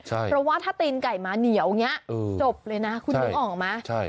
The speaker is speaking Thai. เพราะว่าถ้าตีนไก่มาเหนียวอย่างนี้จบเลยนะคุณนึกออกไหม